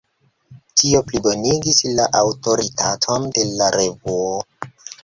Tio plibonigis la aŭtoritaton de la revuo.